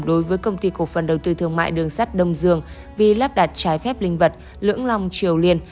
đối với công ty cổ phần đầu tư thương mại đường sắt đông dương vì lắp đặt trái phép linh vật lưỡng long triều liên